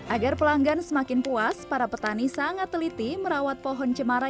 agar pelanggan semakin puas para petani sangat teliti merawat pohon cemara